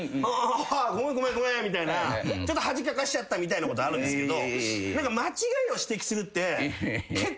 「ああごめん」みたいなちょっと恥かかせちゃったみたいなことあるんですけど。